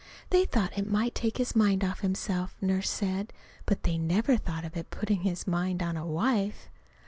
They thought it might take his mind off himself, Nurse said. But they never thought of its putting his mind on a wife!